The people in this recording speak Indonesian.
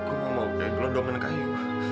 gue gak mau bebel domen kayu